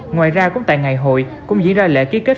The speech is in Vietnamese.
ngoài ra cũng tại ngày hội cũng diễn ra lễ ký kết